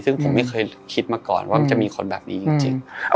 ซึ่งผมไม่เคยคิดมาก่อนว่ามันจะมีคนแบบนี้จริง